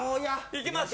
いきます